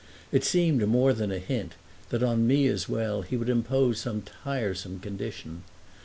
It seemed more than a hint that on me as well he would impose some tiresome condition.